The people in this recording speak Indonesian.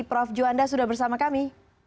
prof juanda sudah bersama kami